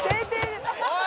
おい！